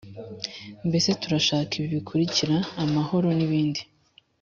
mbese turashaka ibi bikurikira amahoro nibindi